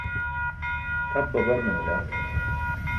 tʰap babar manila